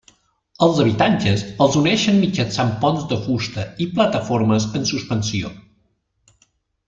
Els habitatges els uneixen mitjançant ponts de fusta i plataformes en suspensió.